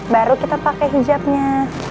baru kita pakai hijabnya